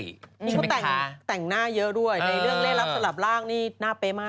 นี่เขาแต่งหน้าเยอะด้วยในเรื่องเล่นรับสลับร่างนี่หน้าเป๊ะมาก